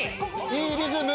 いいリズム。